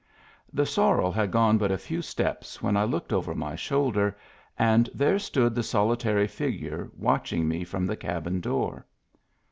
The sorrel had gone but a few steps when I looked over my shoulder, and there stood the soli tary figure, watching me from the cabin door.